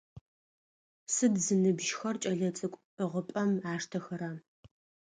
Сыд зыныбжьыхэр кӏэлэцӏыкӏу ӏыгъыпӏэм аштэхэра?